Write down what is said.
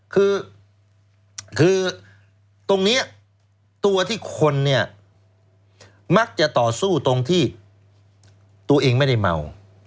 คือคือตรงนี้ตัวที่คนเนี่ยมักจะต่อสู้ตรงที่ตัวเองไม่ได้เมา